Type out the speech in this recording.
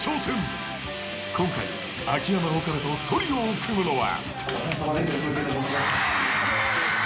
［今回秋山岡部とトリオを組むのは］